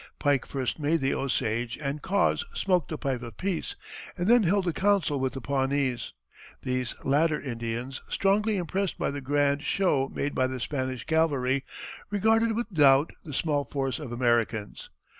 Pike first made the Osage and Kaws smoke the pipe of peace and then held a council with the Pawnees. These latter Indians, strongly impressed by the grand show made by the Spanish cavalry, regarded with doubt the small force of Americans.